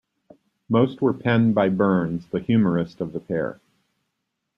Most were penned by Burns, the humorist of the pair.